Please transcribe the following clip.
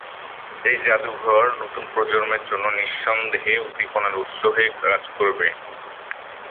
এই জাদুঘর নতুন প্রজন্মের জন্য নিঃসন্দেহে উদ্দীপনার উৎস হয়ে কাজ করবে।